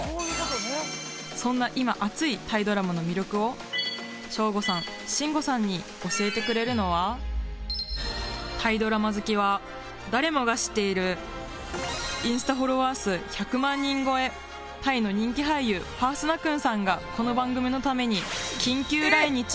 そんな今、熱いタイドラマの魅力を省吾さん、信五さんに教えてくれるのはタイドラマ好きは誰もが知っているインスタフォロワー数１００万人超えタイの人気俳優パース・ナクンさんがこの番組のために緊急来日。